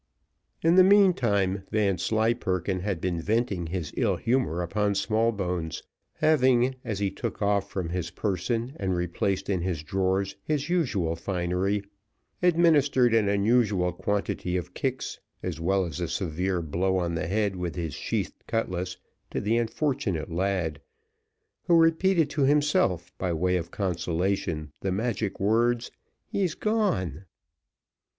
In the meantime Vanslyperken had been venting his ill humour upon Smallbones, having, as he took off from his person, and replaced in his drawers, his unusual finery, administered an unusual quantity of kicks, as well as a severe blow on the head with his sheathed cutlass to the unfortunate lad, who repeated to himself, by way of consolation, the magic words "He's gone."